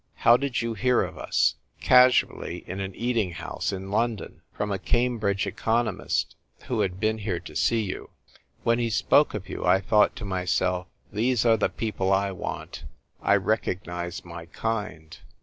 " How did you hear of us ?" "Casually, in an eating house in London, from a Cambridge economist who had been here to see you. When he spoke of you, I thought to myself, ' These are the people I want. I recognise my kind.